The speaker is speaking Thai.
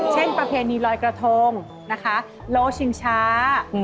ประเพณีลอยกระทงนะคะโลชิงช้า